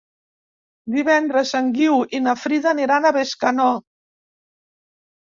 Divendres en Guiu i na Frida aniran a Bescanó.